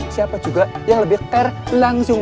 siapa juga yang lebih care langsung